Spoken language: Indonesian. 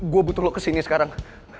gue butuh lo kesini sekarang